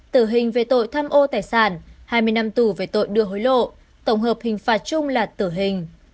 tử hình về tội tham ô tài sản hai mươi năm tù về tội đưa hối lộ tổng hợp hình phạt chung là tử hình